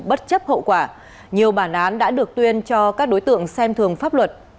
bất chấp hậu quả nhiều bản án đã được tuyên cho các đối tượng xem thường pháp luật